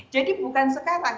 jadi bukan sekarang